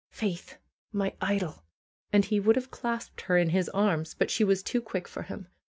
Faith, my idol!" And he would have 246 FAITH clasped her in his arms, but she was too quick for him.